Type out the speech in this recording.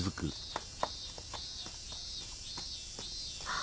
あ。